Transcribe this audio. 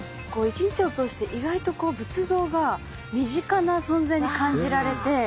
１日を通して意外とこう仏像が身近な存在に感じられて。